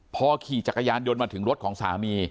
พอขี่จักรยานยนต์มาถึงรถของสามี